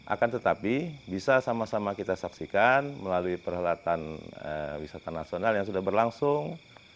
akan tetapi bisa sama sama kita saksikan melalui peralatan wisata nasional yang sudah berlangsung